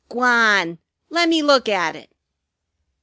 "Gwan! Lemme look at it."